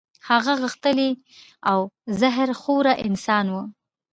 هغه غښتلی او زهر خوره انسان وو.